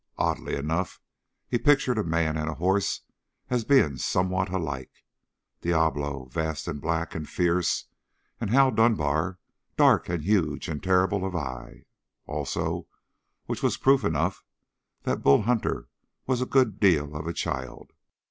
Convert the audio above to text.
Oddly enough, he pictured man and horse as being somewhat alike Diablo vast and black and fierce, and Hal Dunbar dark and huge and terrible of eye, also; which was proof enough that Bull Hunter was a good deal of a child.